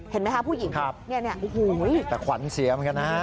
เห็นไหมคะผู้หญิงเรียนแค่นี้แหงนะโอ้โฮแต่ขวัญเสียมันก็น่ะ